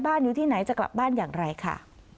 อยู่ที่ไหนจะกลับบ้านอย่างไรค่ะ